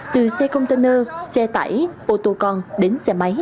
từ xe container xe tải ô tô con